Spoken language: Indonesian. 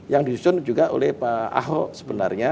yang disusun juga oleh pak ahok sebenarnya